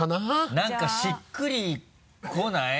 何かしっくりこない？